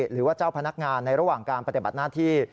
หรือว่าเจ้าพนักงานในระหว่างการปฏิบัติหน้าที่